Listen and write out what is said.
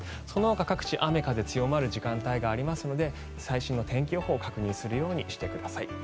そのほか各地雨、風が強まる時間帯がありますので最新の予報を確認するようにしてください。